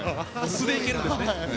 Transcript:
素でいけるんですね。